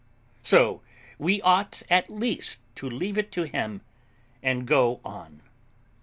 So we ought, at least, to leave it to Him and go on.